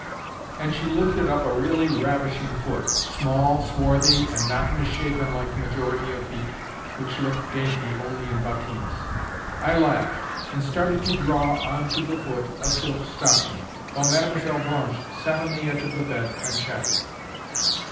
And she lifted up a really ravishing foot—small, swarthy, and not misshapen like the majority of feet which look dainty only in bottines. I laughed, and started to draw on to the foot a silk stocking, while Mlle. Blanche sat on the edge of the bed and chattered.